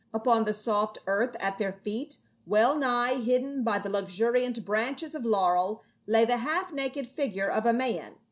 Upon the soft earth at their feet, well nigh hidden by the luxuriant branches of laurel lay the half naked figure of a man.